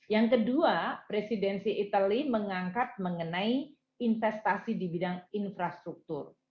yang kedua presidensi itali mengangkat mengenai investasi di bidang infrastruktur